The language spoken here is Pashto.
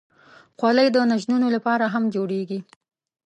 خولۍ د نجونو لپاره هم جوړېږي.